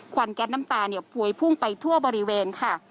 วันแก๊สน้ำตาเนี่ยพวยพุ่งไปทั่วบริเวณค่ะ